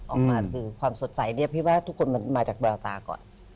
ออกมาคือความสดใสเนี่ยพี่ว่าทุกคนมันมาจากแววตาก่อน